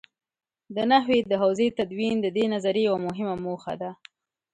د نحوې د حوزې تدوین د دې نظریې یوه مهمه موخه ده.